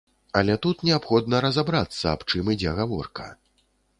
Але тут неабходна разабрацца, аб чым ідзе гаворка.